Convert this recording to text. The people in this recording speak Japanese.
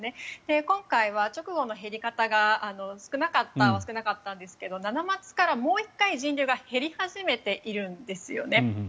今回は直後の減り方が少なかったは少なかったんですが７月末からもう一度人流が減り始めているんですよね。